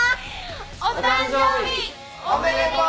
お誕生日おめでとう！